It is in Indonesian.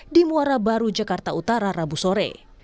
di muara baru jakarta utara rabu sore